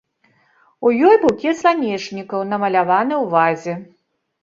У ёй букет сланечнікаў намаляваны ў вазе.